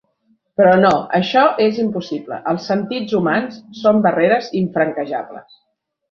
Però no, això és impossible; els sentits humans són barreres infranquejables.